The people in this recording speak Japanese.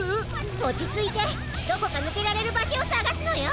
おちついてどこかぬけられるばしょをさがすのよ！